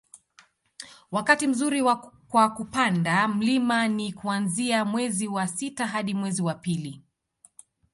wakati mzuri kwa kupanda mlima ni kuanzia mwezi wa sita hadi mwezi wa pili